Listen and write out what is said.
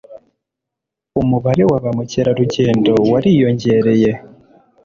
umubare wa ba mukerarugendo wariyongereye